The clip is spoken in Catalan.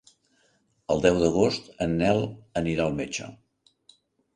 El deu d'agost en Nel anirà al metge.